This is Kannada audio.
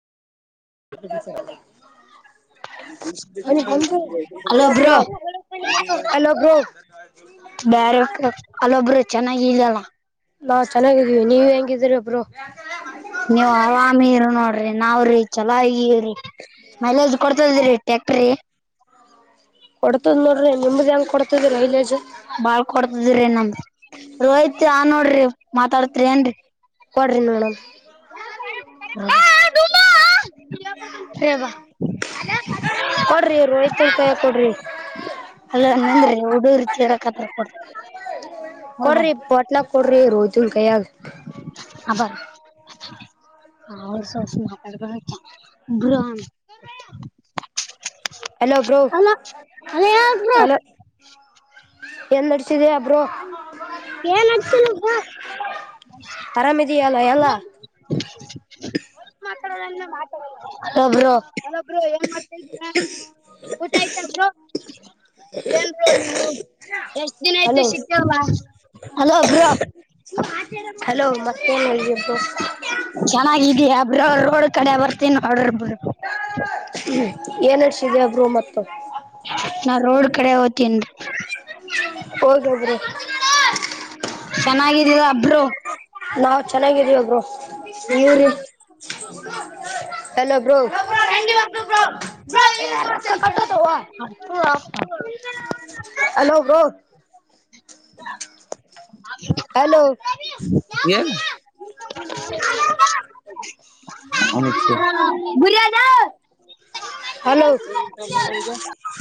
ನಾ ಅಲ್ಲೊಬ್ರು ಬ್ಯಾರೆ ಅಲ್ಲೊಬ್ರು ಚೆನ್ನಾಗಿಲ್ಲಲ್ಲ ಚೆನ್ನಾಗವಿ ನೀ ಗಿದೀರಾ ನೀವು ಆರಾಮಿರು ನೋಡ್ರಿ ನಾವ್ರೀ ಚಲ ಈ ಮೈಲೇಜ್ ಕೊಡ್ತದ ರೀ ಫ್ಯಾಕ್ಟರಿ ಕೊಡ್ತದ ನೋಡ್ರಿ ನಿಮ್ಮದಂ ಕೊಡ್ತದ ಮೈಲೇಜ ಬಾಳ್ ಕೊಡ್ತದ್ರಿ ನಮ್ ರೋಹಿತ್ ಆ ನೋಡ್ರಿ ಮಾತಾಡ್ತ್ರಿ ಏನ್ರಿ ಕೊಡ್ರಿ ನೋಡೋಣ ಹಾ ಬಾ ಕೊಡ್ರಿ ರೋಹಿಿತನ್ ಕೈಯಾಗ ಕೊಡ್ರಿ ಅಲ್ಲಂದಂದ್ರೆ ಉಡೂರ್ ಕೇರಕತ್ರ ಕೊಡ ಕೊಡ್ರಿ ಪೋಟ್ನ ಕೊಡ್ರಿ ರೋಹಿತ್ನ್ ಕೈಯಾಗ ಅಬಾರ ಅವ ಸ ಮಾತಾಡ್ ಬರ [unintelligible] ಹಲೋ ಬ್ರೋ ಅಲ್ಲ ಹೆಲೋ ಹೇಳಿ ಬ್ರೋ ಎಲ್ಲೆಡು ಕ್ಷ [unintelligible] ಹೆಲೋ ಆರಾಮಿದೀಯ ಅಲ್ಲ ಎಲ್ಲ ಬ್ರೋ ಅಲ್ಲೊ ಬ್ರೋ ಏನ್ ಮಾಡ್ತಾ ಇದಿದ್ದೀರಾ ಊಟ ಆಯ್ತ ಬ್ರೋ ಹ ಏನ್ ಬ್ರೋ ನೀವು ಎಷ್ಟ ದಿನ ಆಯ್ತು ಹಲೋ ಸಿಕ್ಕಿ [unintelligible] ವಾರ ಹಲೋ ಬ್ರೋ ಹಲೋ ಮತ್ತೇನು ಹೇಳಿ ಬಾಸ್ ಅವಳ ಕಡೆ ಬರ್ತೀನ ತಡರ್ ಬುಡರ ಏನ ನಡಸಿದಿಯ ಬ್ರೋ ಮತ್ತೆ ನಾ ರೋಡ್ ಕಡೆ ಹೋಗ್ತನರೀ [inaudible] [inaudible] ಹೊಗಾದ್ರೆ ಚೆನ್ನಾಗಿದ್ದೀರ ಬ್ರೋ ನಾವ್ ಚೆನ್ನಾಗಿದೀವಿ ಬ್ರೋ ನಿವ್ರಿ ಹಲೋ ಬ್ರೋ ಹತ್ತು ಆಸನ ಹಲೋ ಬ್ರೋ ಹಲೋ ಹ [inaudible] ಬಲದ [inaudible] ಹಲೋ